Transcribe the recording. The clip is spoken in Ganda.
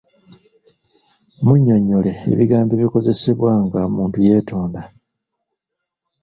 Munnyonnyole ebigambo ebikozesebwa nga omuntu yeetonda.